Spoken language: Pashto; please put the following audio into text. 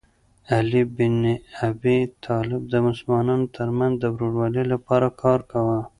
علي بن ابي طالب د مسلمانانو ترمنځ د ورورولۍ لپاره کار کاوه.